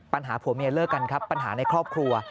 ปัญหาผัวเมียเลิกกันครับปัญหาในครอบครัว